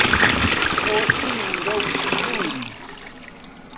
ئۆ چنوورە و چنووری